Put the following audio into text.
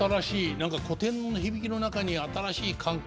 何か古典の響きの中に新しい感覚。